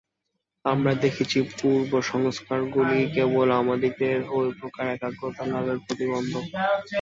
আমরা দেখিয়াছি, পূর্বসংস্কারগুলিই কেবল আমাদিগের ঐ প্রকার একাগ্রতা লাভের প্রতিবন্ধক।